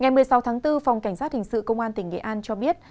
ngày một mươi sáu tháng bốn phòng cảnh sát hình sự công an tỉnh nghệ an cho biết